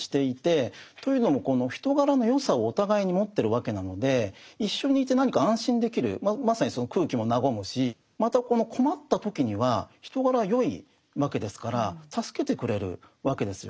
というのもこの人柄の善さをお互いに持ってるわけなので一緒にいて何か安心できるまさにその空気も和むしまたこの困った時には人柄は善いわけですから助けてくれるわけですよね。